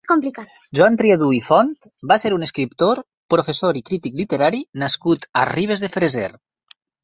Joan Triadú i Font va ser un escriptor, professor i crític literari nascut a Ribes de Freser.